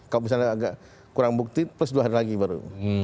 kalau misalnya agak kurang bukti plus dua hari lagi baru